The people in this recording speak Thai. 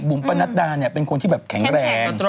ปะนัดดาเนี่ยเป็นคนที่แบบแข็งแรง